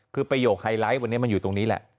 คือประโยคไฮไลท์วันนี้มันอยู่ตรงนี้แหละ